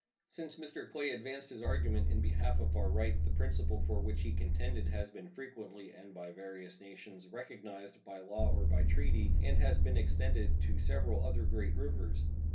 Since Mr. Clay advanced his argument in behalf of our right the principle for which he contended has been frequently, and by various nations, recognized by law or by treaty, and has been extended to several other great rivers.